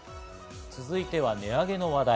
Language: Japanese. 続いて値上げの話題。